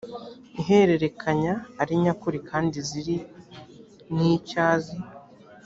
ihererekanya ari nyakuri kandi ziri n icyo azi